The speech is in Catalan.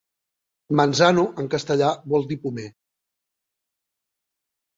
Manzano en castellà vol dir pomer.